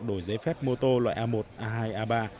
đổi giấy phép mô tô loại a một a hai a ba